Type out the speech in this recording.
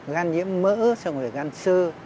gan nhiễm mỡ xong rồi gan sơ